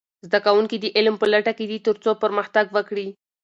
زده کوونکي د علم په لټه کې دي ترڅو پرمختګ وکړي.